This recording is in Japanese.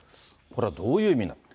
これはどういう意味なのか。